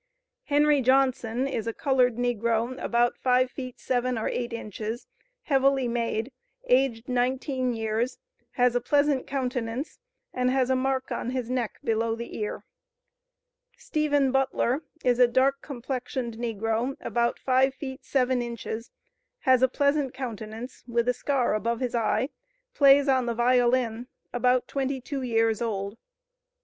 "Henry Johnson is a colored negro, about five feet seven or eight inches, heavily made, aged nineteen years, has a pleasant countenance, and has a mark on his neck below the ear. "Stephen Butler is a dark complexioned negro, about five feet seven inches; has a pleasant countenance, with a scar above his eye; plays on the violin; about twenty two years old.